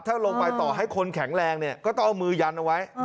ถ้าลงไปต่อให้คนแข็งแรงเนี่ยก็ต้องเอามือยันเอาไว้